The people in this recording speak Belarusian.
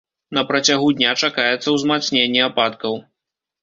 На працягу дня чакаецца ўзмацненне ападкаў.